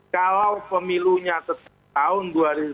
kalau pemilunya setahun dua ribu empat